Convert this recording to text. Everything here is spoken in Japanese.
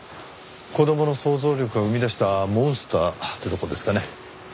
子供の想像力が生み出したモンスターってとこですかね？